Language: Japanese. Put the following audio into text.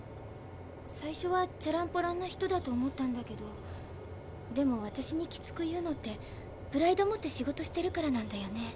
最初はチャランポランな人だと思ったんだけどでも私にきつく言うのってプライド持って仕事してるからなんだよね。